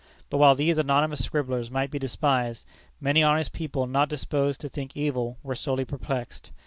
But while these anonymous scribblers might be despised, many honest people not disposed to think evil were sorely perplexed.